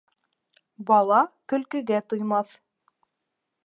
Бала көлкөгә туймаҫ.